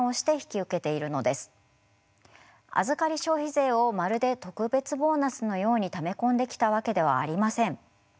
預り消費税をまるで特別ボーナスのようにため込んできたわけではありません。